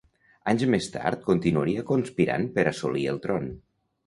Anys més tard continuaria conspirant per assolir el tron.